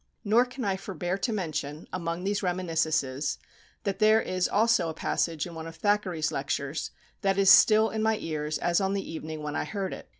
Nor can I forbear to mention, among these reminiscences, that there is also a passage in one of Thackeray's lectures that is still in my ears as on the evening when I heard it.